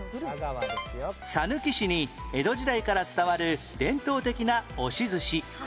さぬき市に江戸時代から伝わる伝統的な押し寿司